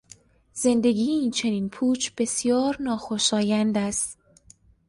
زندگی این چنین پوچ بسیار ناخوشایند است.